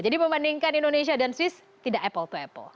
jadi membandingkan indonesia dan swiss tidak apple to apple